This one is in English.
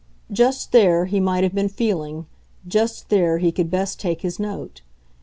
Just there, he might have been feeling, just there he could best take his note.